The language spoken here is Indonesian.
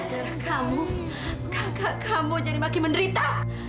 karena kamu kakak kamu jadi makin menderita